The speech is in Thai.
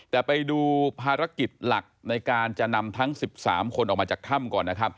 แต่ไปดูภารกิจหลักในการจะนำทั้ง๑๓คนออกมาจากถ้ำก่อนนะครับ